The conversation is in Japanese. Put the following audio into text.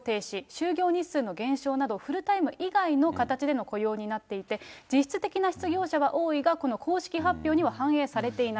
就業日数の減少など、フルタイム以外の形での雇用になっていて、実質的な失業者は多いが、この公式発表には反映されていない。